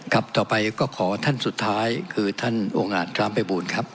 ครับต่อไปก็ขอท่านสุดท้ายคือท่านองค์อาจคล้ำไพบูลครับ